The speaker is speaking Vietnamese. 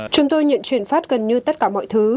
chúng tôi nhận chuyển phát gần như tất cả mọi thứ